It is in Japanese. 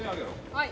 はい。